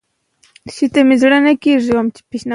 که نجونې دین زده کړي نو ګمراهي به نه وي.